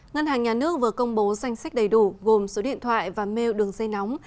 ngân hàng nhà nước vừa công bố danh sách đầy đủ gồm số điện thoại và mail đường dây nóng